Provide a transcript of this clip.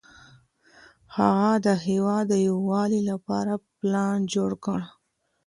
هغه د هېواد د یووالي لپاره پلان جوړ کړ.